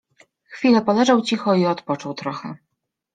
Chwilę poleżał cicho i odpoczął trochę